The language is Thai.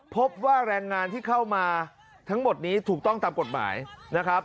พบว่าแรงงานที่เข้ามาทั้งหมดนี้ถูกต้องตามกฎหมายนะครับ